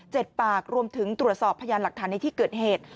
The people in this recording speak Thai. ปากรวมถึงตรวจสอบพยานหลักฐานในที่เกิดเหตุ